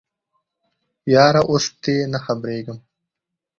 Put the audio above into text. یاره اوس تې نه خبریږم